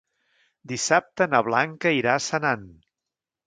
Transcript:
Dissabte na Blanca irà a Senan.